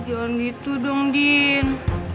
jangan gitu dong din